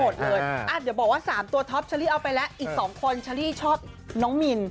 เดี๋ยวบอกว่า๓ตัวท็อปเชอรี่เอาไปแล้วอีก๒คนเชอรี่ชอบน้องมิน